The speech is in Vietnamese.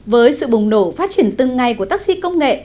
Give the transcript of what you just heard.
với sự bùng nổ phát triển từng ngày của taxi công nghệ